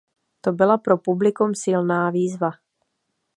To byla pro publikum silná výzva.